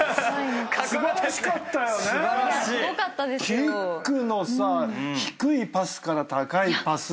キックの低いパスから高いパス。